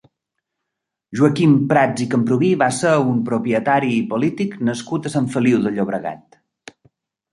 Joaquim Prats i Camprubí va ser un propietari i polític nascut a Sant Feliu de Llobregat.